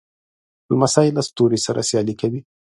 لمسی له ستوري سره سیالي کوي.